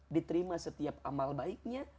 diterima setiap amal baiknya